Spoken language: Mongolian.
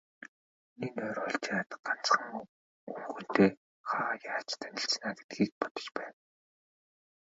Миний нойр хулжаад, ганцхан, өвгөнтэй хаа яаж танилцлаа гэдгийг бодож байв.